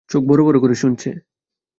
চোখ বড় বড় করে শুনছে।